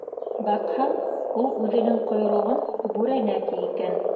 Баҡһаң, ул үҙенең ҡойроғон «бүрәнә» ти икән.